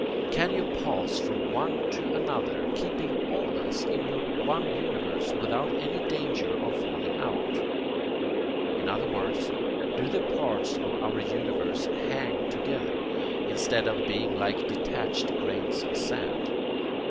Can you pass from one to another, keeping always in your one universe without any danger of falling out? In other words, do the parts of our universe HANG together, instead of being like detached grains of sand?